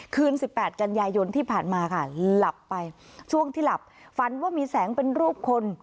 สิบแปดกันยายนที่ผ่านมาค่ะหลับไปช่วงที่หลับฝันว่ามีแสงเป็นรูปคน